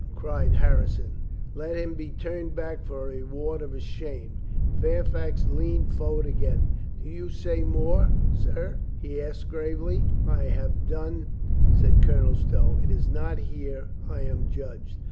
cried Harrison. "Let him be turned back for a reward of his shame." Fairfax leaned forward again. "Do you say more, sir?" he asked gravely. "I have done," said Colonel Stow. "It is not here I am judged."